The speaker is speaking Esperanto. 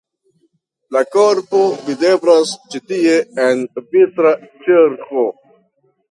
La korpo videblas ĉi tie en vitra ĉerko.